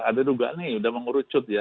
ada duga nih sudah mengurucut ya